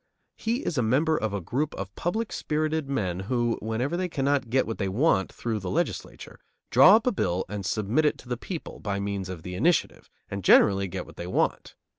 He is a member of a group of public spirited men who, whenever they cannot get what they want through the legislature, draw up a bill and submit it to the people, by means of the initiative, and generally get what they want.